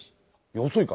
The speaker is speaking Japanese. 遅いか。